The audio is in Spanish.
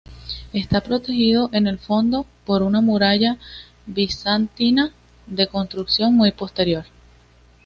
Está protegido en el fondo por una muralla bizantina de construcción muy posterior.